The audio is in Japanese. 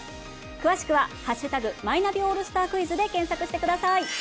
詳しくは「＃マイナビオールスタークイズ」で検索してください。